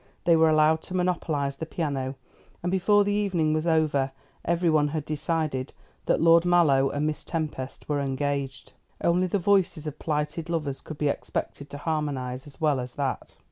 They were allowed to monopolise the piano; and before the evening was over everyone had decided that Lord Mallow and Miss Tempest were engaged. Only the voices of plighted lovers could be expected to harmonise as well as that.